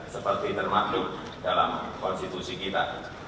seperti termaklub dalam konstitusi kita